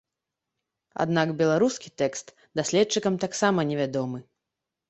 Аднак беларускі тэкст даследчыкам таксама невядомы.